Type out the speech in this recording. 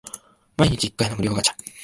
毎日一回の無料ガチャ